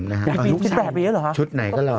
อ๋อพี่น้องเป็นลูกชายชุดไหนก็หล่อ